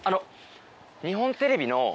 日本テレビの。